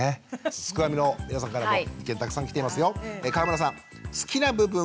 すくファミの皆さんからも意見たくさん来ていますよ。